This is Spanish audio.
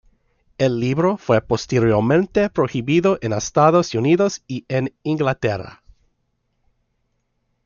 El libro fue posteriormente prohibido en Estados Unidos y en Inglaterra.